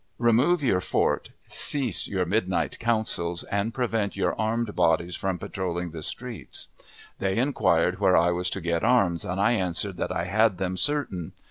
"Remove your fort; cease your midnight councils; and prevent your armed bodies from patrolling the streets." They inquired where I was to get arms, and I answered that I had them certain.